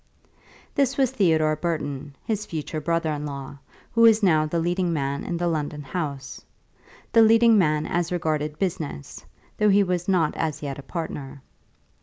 This was Theodore Burton, his future brother in law, who was now the leading man in the London house; the leading man as regarded business, though he was not as yet a partner.